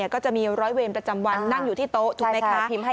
ก็จะมีร้อยเวรประจำวันนั่งอยู่ที่โต๊ะถูกไหมคะ